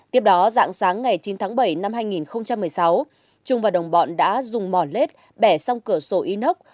tiếp đó dạng sáng ngày chín tháng bảy năm hai nghìn một mươi sáu trung và đồng bọn đã dùng mỏ lết bẻ xong cửa sổ inox